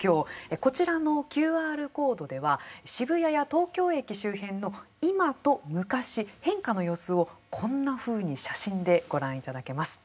こちらのＱＲコードでは渋谷や東京駅周辺の今と昔変化の様子をこんなふうに写真でご覧いただけます。